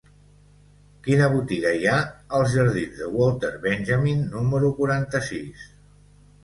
Quina botiga hi ha als jardins de Walter Benjamin número quaranta-sis?